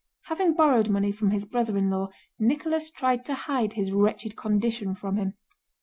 Having borrowed money from his brother in law, Nicholas tried to hide his wretched condition from him.